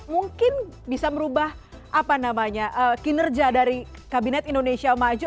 mungkin bisa merubah kinerja dari kabinet indonesia maju